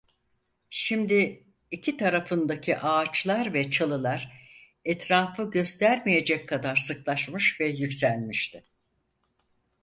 Şimdi iki tarafındaki ağaçlar ve çalılar etrafı göstermeyecek kadar sıklaşmış ve yükselmişti.